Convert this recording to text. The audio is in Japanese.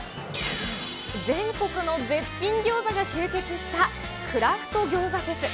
全国の絶品ギョーザが集結したクラフト餃子フェス。